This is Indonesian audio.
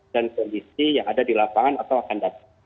dan kondisi yang ada di lapangan atau akadat